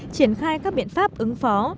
triển khai các biện pháp ứng phó